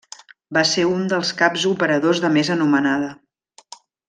Va ser un dels caps operadors de més anomenada.